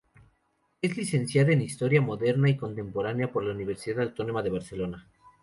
Es licenciada en Historia Moderna y Contemporánea por la Universidad Autónoma de Barcelona.